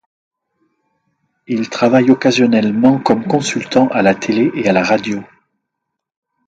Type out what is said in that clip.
Il travaille occasionnellement comme consultant à la télé et la radio.